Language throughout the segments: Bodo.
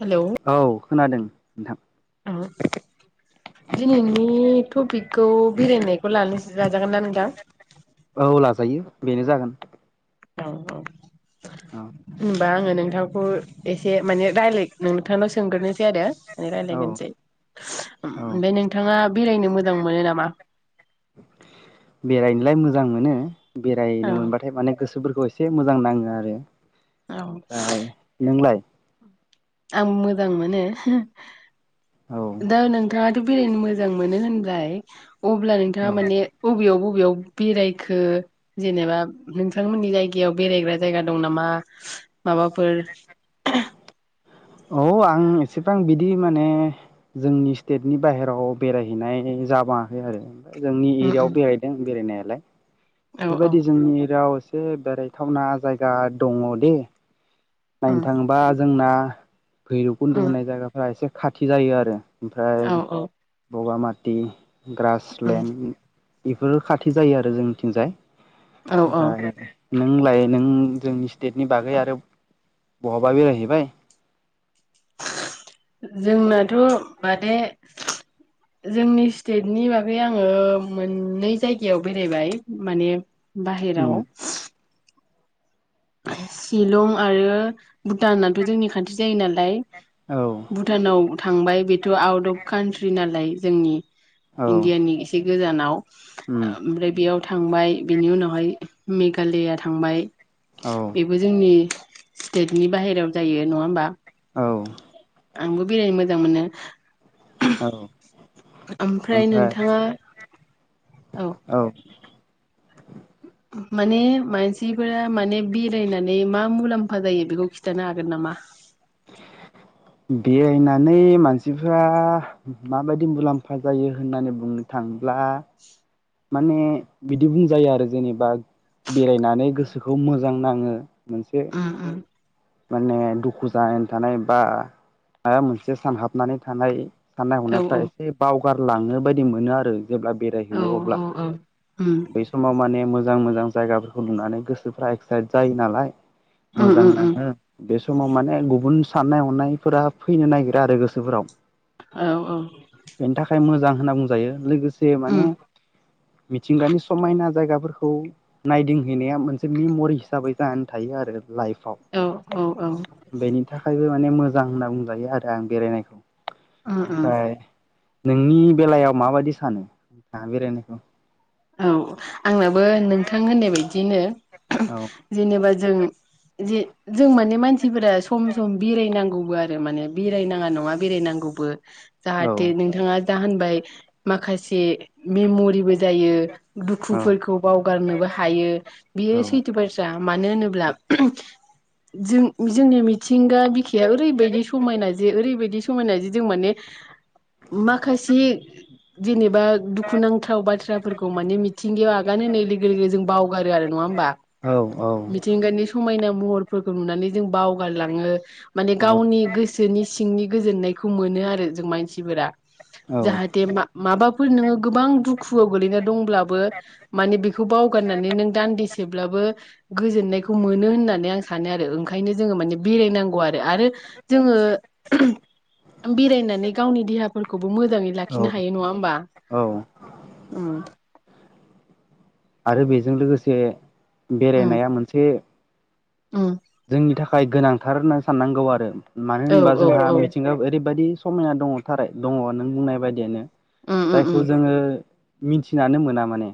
हेल' औ खोनादों नोंथां आ दिनैनि टपिकखौ बेरायनायखौ लानो नाजागोन नना नोंदां। औ लाजायो बेनो जागोन। औ औ औ दा आङो नोंथांखौ एसे माने रायलाय नोंथांनाव सोंग्रोनोसै आरो ओ औ रायज्लायग्रोनोसै औ ओम नोंथाङा बेरायनो मोजां मोनो नामा? बेरायनोलाय मोजां मोनो औ बेरायनो मोनबाथाय माने गोसो बफोरखौ एसे मोजां नाङो आरो औ ओमफ्राय नोंलाय? आंबो मोजां मोनो औ दा नोंथाङाथ' बेरायनो मो मोजां मोनो होनलबाय अब्ला नोंथाङा औ माने बबेयाव बबेयाव बेरायखो? जेनेबा नोंथांमोननि जायगायाव बेरायग्रा जायगा दं नामा माबाफोर औ आं एसेबां बिदि माने जोंनि स्टेटनि बाहेराव बेरायहैनाय जाबाङाखै आरो। जोंनि उम उम एरियायाव बेरायदों बेरायनायालाय। औ औ बेबायदि जोंनि एरियायाव एसे बेरायथावना जायगा दङ दे। नायनो उम थाङोबा जोंना भैरबकुन्द' उम होननाय जायगाफोरा एसे खाथि जायो आरो। औ ओमफ्राय औ बगामाथि औ ग्रासलेणड बेफोरो खाथि जायो आरो जोंनिथिंजाय औ ओमफ्राय नों लाय नों जोंनि स्टेटनि बागै आरो बहाबा बेरायहैबाय? जोंनाथ' माने जोंनि स्टेटनि बागै आङो मोननै जायगायाव बेरायबाय माने उम बाहेरायाव शिलं आरो भुटानथ' जोंनि खाथि जायो नालाय। औ भुटानाव थांबाय बेथ' आउट अफ कान्ट्रि नालाय जोंनि औ इण्डियानि एसे गोजानाव ओ उम ओमफ्राय बेयाव थांबाय बिनि उनावहाय मेघालया थांबाय। औ बेबो जोंनि स्टेटनि बाहेरायाव जायो नङा होमबा? औ आंबो बेरायनो मोजां मोनो। औ ओमफ्राय नोंथाङा औ औ माने मानसिफोरा माने बेरायनानै मा मुलाम्फा जायो बेखौ खिथानो हागोन नामा? [inaudible] बेरायनानै मानसिफ्रा माबायदि मुलाम्फा जायो होननानै बुंनो थाङोब्ला माने बिदि बुंजायो आरो जेनेबा बेरायनानै गोसोखौ मोजां नाङो मोनसे ओम ओम माने दुखु जानानै थानाय बा माबा मोनसे सानहाबनानै थानाय। साननाय औ हनायफ्रा एसे बावगारलाङो बायदि मोनो आरो। जेब्ला औ बेरायहैयो अब्ला औ औ उम बै समाव माने मोजां मोजां जायगाफोरखौ नुनानै गोसोफ्रा एक्साइट जायो नालाय। उम मोजां उम उम नाङो। बे समाव माने गुबुन साननाय हनायफोरा फैनो नागिरा आरो गोसोफोराव औ औ बेनि थाखाय मोजां होनना बुंजायो लोगोसे उम माने मिथिंगानि समायना जायगाफोरखौ नायदिंहैनाया मोनसे मेमरि हिसाबै जानानै थायो आरो लाइफआव। औ औ औ औ बेनि थाखायबो माने मोजां होनना बुंजायो आरो आं बेरायनायखौ। उम उम ओमफ्राय नोंनि बेलायाव माबायदि सानो नोंथाङा बेरायनायखौ औ आंनाबो नोंथां होननाय बायदिनो औ जेनेबा जों जि जों माने मानसि- सिफोरा सम सम बेरायनांगौबो आरो माने बेरायनाङा नङा बेरायनांगौबो औ जाहाथे नोंथाङा दा होनबाय माखासे मेमरिबो जायो औ दुखुफोरखौ बावगारनोबो हायो बेयो औ सैथो बाथ्रा मानो होनोब्ला जों जोंनि मिथिंगा बिखाया ओरैबायदि समायना जे ओरैबायदि समायना जे जों माने माखासे जेनेबा दुखुनांथाव बाथ्राफोरखौ मानि मिथिंगायाव आगान होनाय लोगो लोगो जों बावगारो आरो नङा होमबा औ मि थिंगानि समायना महरफोरखौ नुनानै जों बावगारलाङो माने औ गावनि गोस सोनि सिंनि गोजोननायखौ मोनो आरो जों मानसिफोरा औ जाहाथे मा माबाफोर नोङो गोबां दुखुआव गोलैना दंब्ला बो माने बेखौ बावगारनानै नों दान्दिसेब्लाबो गोजोननायखौ मोनो होननानै आं सानो आरो ओंखायनो जोङो माने बेरायनांगौ आरो आरो जोङो बेरायनानै गावनि देहाफोरखौबो मोजाङै लाखिनो हायो नङा होमबा औ उम आरो बेजों लोगोसे उम बेरायनाया मोनसे उम जोंनि थाखाय गोनांथार होनना साननांगौ आरो मानो औ होनबा औ जोंहा औ मिथिंगायाव ओरैबायदि समायना दङ थारै दङ नों बुंनाय बायदियानो उम उम उम जायखौ जोङो मिथिनानो मोना माने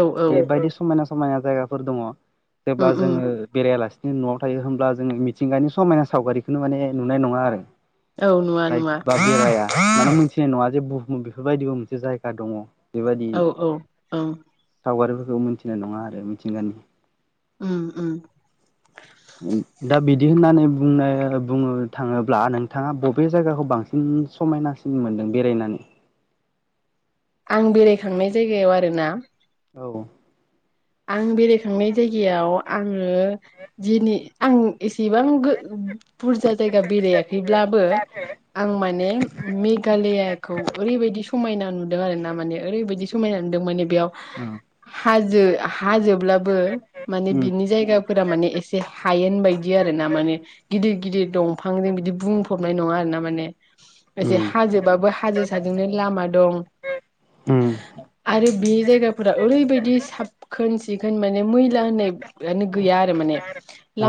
औ औ बेबायदि समायना समायना जायगाफोर दङ जेब्ला उम उम जोङो बेरायालासिनो न'आव थायो होमब्ला जों मिथिंगानि समायना सावगारिखौनो माने नुनाय नङा आरो औ नुवा नुवा जायफोरबा बेराया माने मोनथिनाय नङा जे बुहुमाव बेफोरबायदिबो मोनसे जायगा दङ बेबायदि औ औ औ सावगारिफोरखौ मोनथिनाय नङा आरो मिथिंगानि उम उम उम दा बिदि होननानै बुंनो बुंनो थाङोब्ला नोंथाङा बबे जायगाखौ बांसि सिन समायनासिन मोनदों बेरायनानै आं बेरायखांनाय जायगायाव आरो ना औ आं बेरायखांनाय जायगायाव आङो दिनि आं एसेबां गो बुरजा जायगा बेरायाखैब्लाबो आं माने मेघालयाखौ ओरैबायदि समायना नुदों आरो ना माने ओरैबायदि समायना नुदों माने बेयाव हाजो हाजोब्लाबो माने उम बिनि जायगा फोरा माने एसे हायेन बायदि आरो ना माने गिदिर गिदिर दंफांजों बिदि बुंफबनाय नङा आरो ना माने एसे उम हाजोबाबो हाजो साजोंनो लामा दं उम आरो बे जायगाफोरा ओरैबायदि साब खोन सिखोन माने मैला होननायानो गैया आरो माने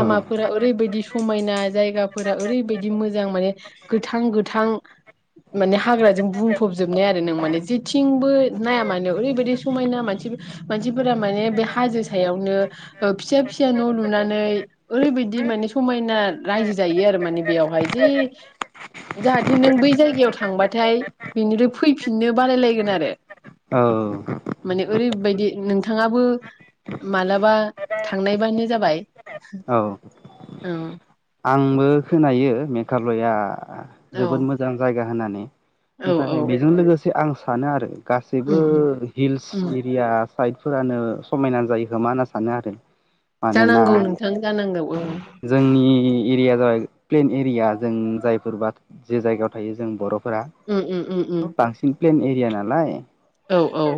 औ ओरैबायदि समायना जायगाफोरा ओरैबायदि मोजां माने गोथां गोथां माने हाग्राजों बुंफबजोबनाय आरो नों माने जेथिंबो नाया मानो ओरैबायदि समायना मानसि मानसिफोरा माने बे हाजो सायावनो ओ फिसा फिसा न' लुनानै ओरैबायदि माने समायना रायजो जायो आरो माने बेयावहाय जे जाहाथे नों बै जायगायाव थांबाथाय बेनिफ्राय फैफिननो बारायलायगोन आरो औ माने ओरैबायदि नों थाङाबो मालाबा थांनायबानो जाबाय। औ औ आंबो खोनायो मेघालया औ जोबोद मोजां जायगा होननानै। औ औ ओमफ्राय बेजों लोगोसे आं सानो आरो उम गासैबो उम हिल्स उम एरिया [unintelligible] फोरानो समायना जायो खोमा होनना सानो आरो। मानोना जानांगौ नोंथां जानांगौ औ। जोंनि एरिया जाय प्लेन एरिया जों जायफोर बा जे जायगायाव थायो जों बर'फोरा। उम उम उम उम। इ प्लेेन एरिया नालाय। औ औ।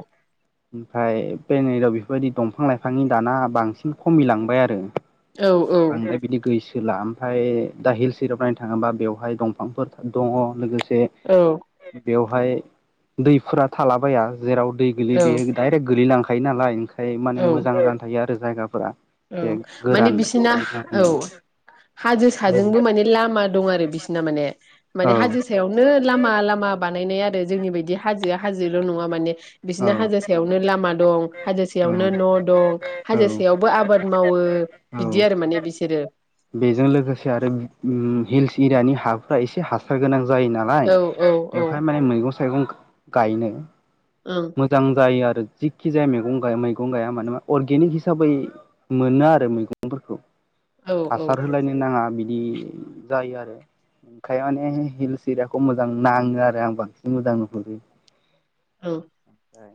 ओमफ्राय पेनेरयाव बिफोबायदि दंफां लाइफांनि दाना बांसिन खमिलांबाय आरो। औ औ। बांद्राय बिदि गैसोला ओमफाय दा हिल्स एरियाव नायनो थाङोबा बेवहाय दंफांफोर दङ लोगोसे औ। बेवहाय दैफोरा थालाबाया जेराव दै गोैलै औ बेयो दाइरेक्ट गोलैलांखायो नालाय ओंखाय औ माने मोजां जान थायो आरो जायगाफोरा। औ एसे माने गोरान बिसिना बायदि जानानै औ हाजो साजोंबो माने लामा दं आरो बिसिना माने औ माने हाजो सायावनो लामा लामा बानायनाय आरो जोंनि बायदि हाजो हाजोल' नङा माने औ बिसिना हाजो सायावनो लामा दं हाजो सायावनो औ न' दं औ हाजो सायावबो आब मावो बिदि औ आरो माने बिसोरो। बेजों लोगोसे आरो उम हिल्स इरानि हाफोरा एसे हासार गोनां जायोना लाय औ औ औ बेवहाय माने मैगं थाइगं गायनो ओं मोजां जायो आरो जिखि जाया मेगं गाय मैगं गाया मानो अर्गेनिक हिसाबै मोनो आरो मैगंफोरखौ औ औ हासार होलायनो नाङा बिदि जायो आरो। फ्राय माने हिल्स इरायाखौ मोजां नाङो आरो आं बांसिन मोजां नुहुरो। औ। फ्राय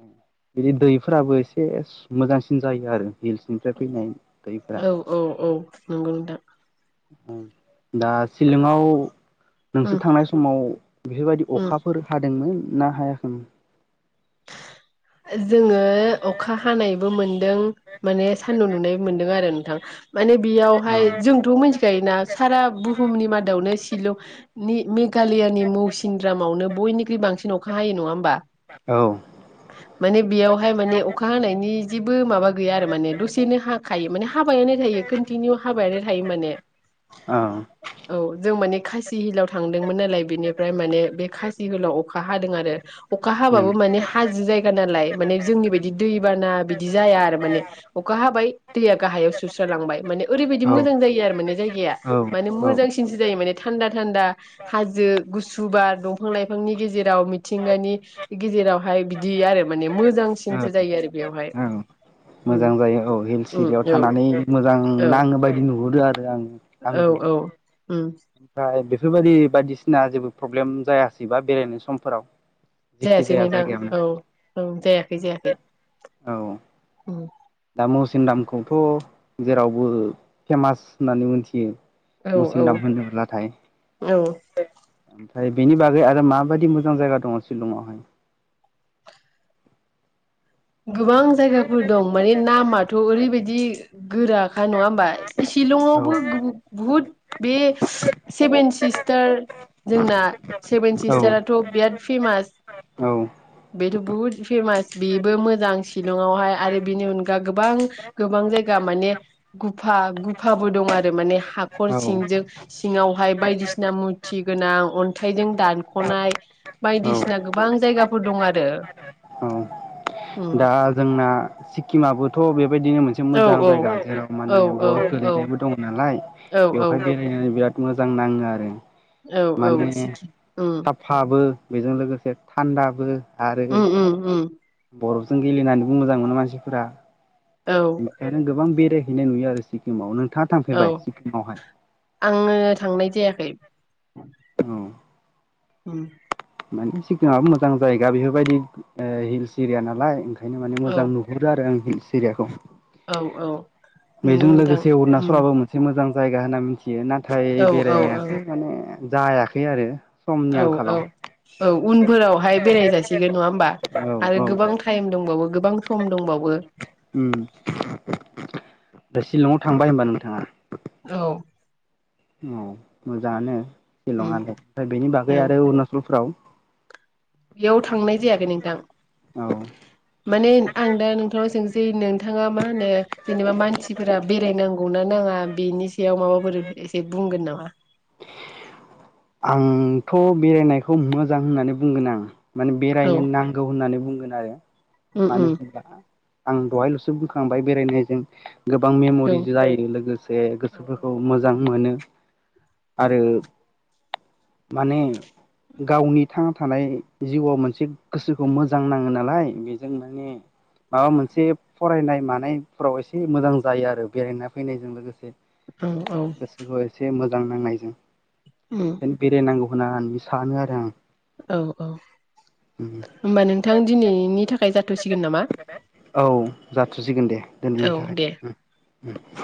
बिदि दैफोराबो एसे मोजांसिन जायो आरो हिल्सनिफ्राय फैनाय। दैफोरा औ औ औ नंगौ। नोंथां उम दा सिलोंआव नोंसोर उम थांनाय समाव बेफोरबायदि उम अखाफोर हादोंमोन ना हायाखैमोन? ओ जोङो अखा हानायबो मोनदों माने सान्दुं दुंनाय मोनदों आरो नोंथां माने बेयावहाय जोंथ' मिथिखायोना सारा बुहुमनि मादावनो शिलं नि मेघालयानि मौसिनद्रामाव नो बयनिख्रुइ बांसिन अखा हायो नङा होमबा? औ। माने बेयावहाय माने अखा हानायनि जेबो माबा गैया आरो माने दसेनो हाखायो माने हाबायानो थायो। कन्टिनिउ हाबायानो थायो माने। अ औ जों माने खासि हिलाव थांदोंमोन नालाय बेनिफ्राय माने बे खासि हिलाव अखा हादों आरो। अखा उम हाबाबो माने हाजो जायगा नालाय माने जोंनि बायदि दैबाना बिदि जाया आरो माने। अखा हाबाय दैया गाहायाव सुस्रालांबाय माने ओरै बायदि औ मोजां जायो आरो माने जायगाया। औ माने औ मोजांसिनसो जायो माने थान्दा थान्दा। हाजो गुसु बार दंफां लाइफांनि गेजेराव मिथिंगानि गेजेराव हाय बिदि आरो माने मोजांसिनसो जायो आरो बेयावहाय। अ हिल्स इरियाव थानानै मोजां औ नाङो बायदि नुहुरो आरो आङो। औ औ उम। फ्राय बेफोरबादि बायदिसिना जेबो प्रब्लेम जायासैबा बेरायनाय समफोराव? जेखि जायासै जाया नोथां जायगायावनो औ औ जायाखै जायाखै औ उम। दा मौसिनरामखौथ' जेरावबो फेमास होननानै मोनथियो। औ औ औ। ओमफ्राय बेनि बागै आरो माबायदि मोजां जायगा दङ शिलंआव हाय? गोबां जायगाफोर दं माने नामाथ' ओरै बायदि गोरा खा नङा होमबा शिलंआवबो औ गुबु बहुद बे सेभेन सिस्टार जोंना सेभेन औ सिस्टाराथ' बिराद फेमास। औ बेथ' बुहुद फेमास बेबो मोजां शिलंआवहाय आरो बेनि अनगा गोबां गोबां जायगा माने गुफा-गुफाबो दं आरो माने हाखर औ सिंजों। सिङावहाय बायदिसिना मुरथि गोनां अन्थाइजों दानख'नाय। औ बायदिसिना गोबां जायगाफोर दं आरो। औ उम दा जोंना सिक्किमाबोथ बेबायदिनो मोनसे एसे औ मोजां जायगा जेराव औ माने औ बर' गोेलैनायबो दङ। नालाय औ बेवहाय बेरायनानै बिराद मोजां नाङो आरो औ- औ सिकि ओम फाबो बेजों लोगोसे थान्दाबो आरो उम-उम बरफजों गेले होननानै बुं मोजां मोनो मानसिफोरा, औ बेखायनो गोबां बेरायहैनाय नुयो आरो सिक्किमाव नोंथाङा औ थांफेरबाय सिक्किमावहाय आङो थांनाय जायाखै औ उम माने सिक्किमाबो मोजां जायगा। बेफोरबायदि हिल्स सिरिया नाल ओंखायनो माने औ मोजां नुयो। हरो आरो आं हिल्स एरियाखौ औ औ नंगौ बेजों नोंथां लोगोसे उम अरुणाचलबो मोनसे मोजां जायगा होनना मिथियो नाथाय औ औ बेरायनायासो माने जायाखै समनि औ औ आंखालाव उनफोरावहाय बेराय जासिगोन नंया होमबा औ आरो औ गोबां थायो दंबावो गोबां सम दावबायो। ओम दा शिलंआव थांबाय होनबा नोंथाङा? औ औ मोजांआनो उम सिलं आंलाय बेनि औ बागै आरो अरुनाचल फ्राव बेयाव थांनाय जायाखै नोंथां। औ माने आं दा नोंथांनाव सोंसै नोंथाङा मा होनो? जेनेबा मानसिफोरा बेरायनांगौ ना नाङा बेनि सायाव माबाफोर एसे बुंगोन नामा? आंथ' बेरायनायखौ मोजां होननानै बुंगोन आं माने औ बेरायनो नांगौ होननानै बुंगोन आरो, मानो उम होनोबब्ला? आं दहायल'सो बोखांबाय बेरायनायजों गोबां मेमरि उम जायो। लोगोसे औ -सोफोरखौ मोजां मोनो आरो माने, गावनि थांना-थानाय जिउआव मोनसे गोसोखौ मोजां नाङो नालाय बेजों माने माबा मोनसे फरायनाय-मानायफोराव एसे मोजां जायो आरो बेरायना फैनायजों लोगोसे। औ-औ गोसोखौ एसे मोजां नांनायजों, उम ओंखायनो बेरायनांगौ होननानै सानो आरो आं। औ-औ होनोमबा नोंथां दिनैनि थाखाय जाथ'सिगोन नामा? [unintelligible] औ जाथ'सिगोन दे दिनैनि औ थाखाय दे ओम-ओम।